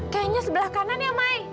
kayaknya sebelah kanan ya mai